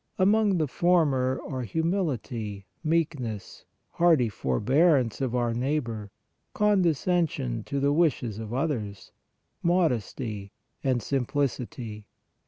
Among the former are humility, meekness, hearty forbearance of our neighbor, condescension to the wishes of others, modesty and simplicity.